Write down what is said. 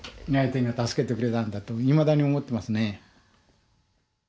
天が助けてくれたんだといまだに思ってますね。